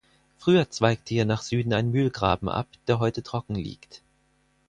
Früher zweigte hier nach Süden ein Mühlgraben ab, der heute trocken liegt.